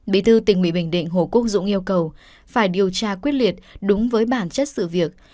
bí thư tỉnh ủy bình định hồ quốc dũng yêu cầu phải điều tra quyết liệt đúng với bản chất sự việc